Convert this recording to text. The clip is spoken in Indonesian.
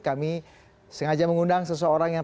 kami sengaja mengundang seseorang yang